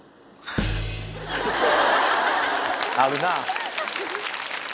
あるなぁ。